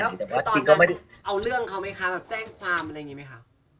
เอาเรื่องเขาไหมคะแจ้งความอะไรงี้ไหมคะ